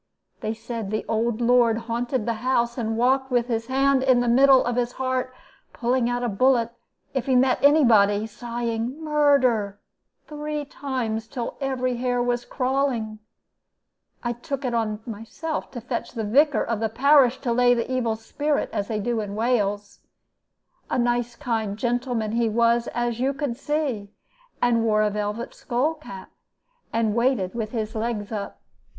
They said that the old lord haunted the house, and walked with his hand in the middle of his heart, pulling out a bullet if he met any body, and sighing 'murder' three times, till every hair was crawling. I took it on myself to fetch the Vicar of the parish to lay the evil spirit, as they do in Wales. A nice kind gentleman he was as you could see, and wore a velvet skull cap, and waited with his legs up.